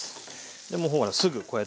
もうほらすぐこうやって。